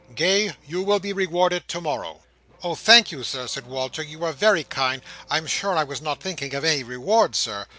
Gay, you will be rewarded to morrow." "Oh! thank you, Sir," said Walter. "You are very kind. I'm sure I was not thinking of any reward, Sir."